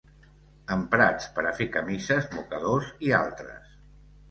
Emprats per a fer camises, mocadors i altres.